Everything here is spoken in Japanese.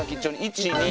１２。